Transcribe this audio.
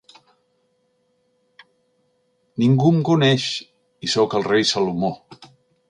-Ningú em coneix… i sóc el rei Salomó!